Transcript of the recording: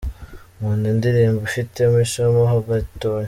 Nkunda indirimbo ifitemo isomo ho gatoya.